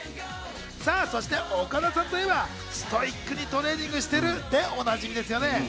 そして岡田さんといえば、ストイックにトレーニングしていることでおなじみですよね。